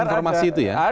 informasi itu ya